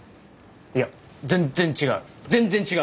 いや全然違う。